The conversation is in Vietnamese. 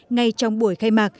ngay trong buổi khai mạc